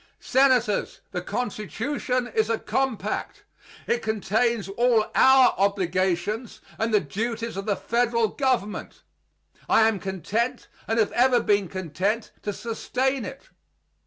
Senators, the Constitution is a compact. It contains all our obligations and the duties of the federal government. I am content and have ever been content to sustain it.